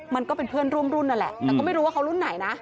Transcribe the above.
มันก็เป็นเพื่อนร่วมรุ่นนั่นแหละแต่ก็ไม่รู้ว่าเขารุ่นไหนนะ